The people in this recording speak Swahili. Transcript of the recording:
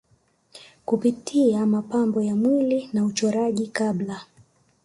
kupitia mapambo ya mwili na uchoraji Kabla